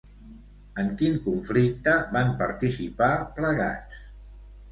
En quin conflicte van participar, plegats?